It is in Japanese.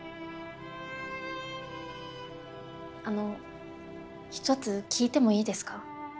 あの一つ聞いてもいいですか？